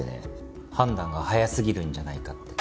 判断が速すぎるんじゃないかって。